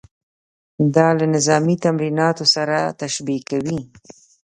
دا له نظامي تمریناتو سره تشبیه کوي.